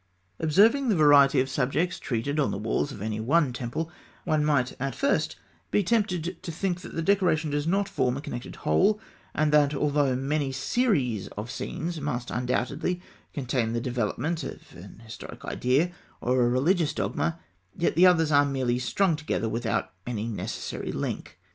Observing the variety of subjects treated on the walls of any one temple, one might at first be tempted to think that the decoration does not form a connected whole, and that, although many series of scenes must undoubtedly contain the development of an historic idea or a religious dogma, yet that others are merely strung together without any necessary link.